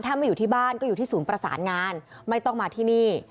ถ้าไม่อยู่ที่บ้านก็อยู่ที่ศูนย์ประสานงานไม่ต้องมาที่นี่